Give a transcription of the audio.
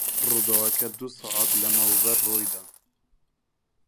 ڕووداوەکە دوو سەعات لەمەوبەر ڕووی دا.